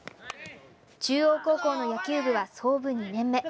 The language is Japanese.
中央高校の野球部は創部２年目。